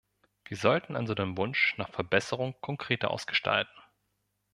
Wir sollten also den Wunsch nach Verbesserung konkreter ausgestalten!